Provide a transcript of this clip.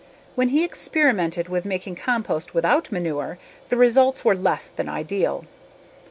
When he experimented with making compost without manure the results were less than ideal.